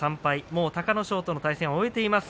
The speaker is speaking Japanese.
もう隆の勝との対戦を終えています。